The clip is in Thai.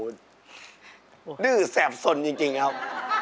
ดื้อแสบสนจริงครับ